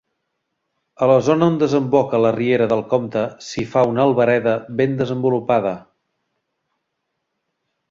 A la zona on desemboca la riera del Comte s’hi fa una albereda ben desenvolupada.